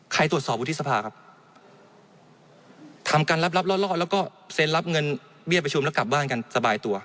ตรวจสอบวุฒิสภาครับทำการรับรับรอดแล้วก็เซ็นรับเงินเบี้ยประชุมแล้วกลับบ้านกันสบายตัว